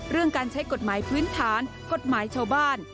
การใช้กฎหมายพื้นฐานกฎหมายชาวบ้าน